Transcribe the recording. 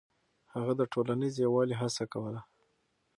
هغه د ټولنيز يووالي هڅه کوله.